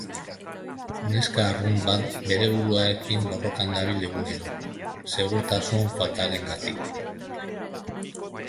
Neska arrunt bat bere buruarekin borrokan dabil egunero, segurtasun faltarengatik.